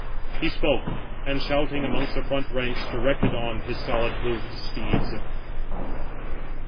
He spoke, and shouting amongst the front ranks, directed on his solid hoofed steeds.